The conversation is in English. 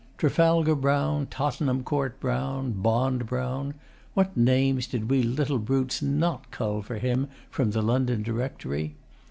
Trafalgar Brown, Tottenham Court Brown, Bond Brown what names did we little brutes NOT cull for him from the London Directory?